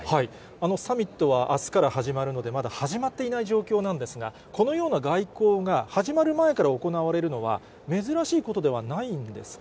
サミットはあすから始まるので、まだ始まっていない状況なんですが、このような外交が始まる前から行われるのは、珍しいことではないんですか？